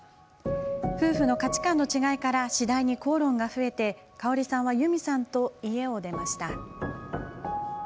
夫婦の価値観の違いから次第に口論が増え、香さんはユミさんと家を出ました。